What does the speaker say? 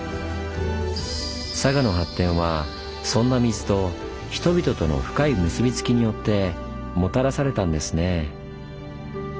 佐賀の発展はそんな水と人々との深い結びつきによってもたらされたんですねぇ。